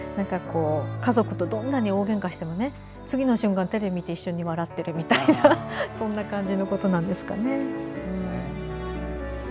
家族と、どんなに大げんかしても次の瞬間テレビ見て一緒に笑ってるみたいなそんな感じのことなんですかね。